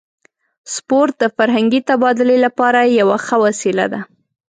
سپورت د فرهنګي تبادلې لپاره یوه ښه وسیله ده.